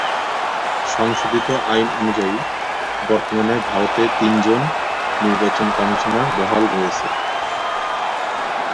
সংশোধিত আইন অনুযায়ী, বর্তমানে ভারতে তিন জন নির্বাচন কমিশনার বহাল রয়েছেন।